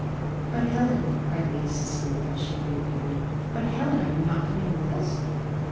"But, Helen," cried Lady Cecilia, as she re appeared, "but, Helen, are you not coming with us?"